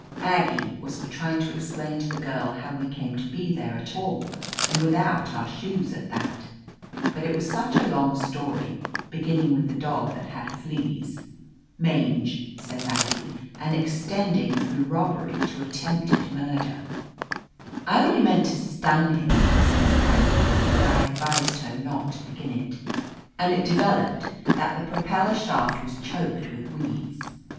Aggie was for trying to explain to the girl how we came to be there at all, and without our shoes at that. But it was such a long story, beginning with the dog that had fleas ("mange, says Aggie) and extending through robbery to attempted murder ("I only meant to 338 ^1 \ LETITIA CARBERRY stun him/' says Aggie)', that I advised her not to begin it. The launch would not start after all, and it developed that the propeller shaft was choked with weeds.